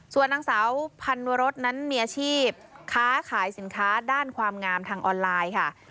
ส่วนนางสาวพันวรสนั้นมีอาชีพค้าขายสินค้าด้านความงามทางออนไลน์ค่ะ